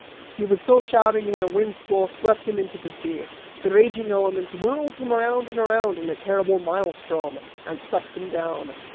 He was still shouting when a windsquall swept him into the sea; the raging elements whirled him around and around in a terrible maelstrom and sucked him down.